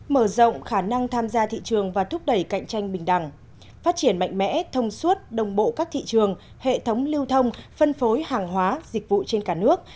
mở rộng khả năng tham gia thị trường và thúc đẩy cạnh tranh bình đẳng phát triển mạnh mẽ thông suốt đồng bộ các thị trường hệ thống lưu thông phân phối hàng hóa dịch vụ trên cả nước